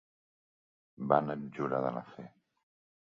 Van abjurar de la fe.